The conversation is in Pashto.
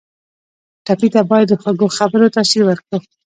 ټپي ته باید د خوږو خبرو تاثیر ورکړو.